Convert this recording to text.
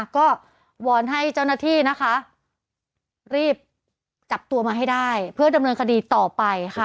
ก็วอนให้เจ้าหน้าที่นะคะรีบจับตัวมาให้ได้เพื่อดำเนินคดีต่อไปค่ะ